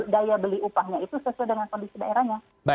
daya beli upahnya itu sesuai dengan kondisi daerahnya